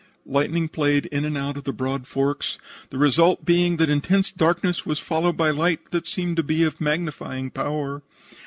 Lightning played in and out in broad forks, the result being that intense darkness was followed by light that seemed to be of magnifying power.